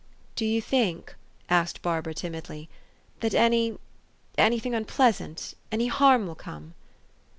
4 'Do you think," asked Barbara timidly, " that any any thing unpleasant any harm will come